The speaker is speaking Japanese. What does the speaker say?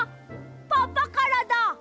パパからだ！